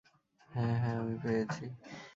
হ্যাঁ, হ্যাঁ, আমি পেয়েছি।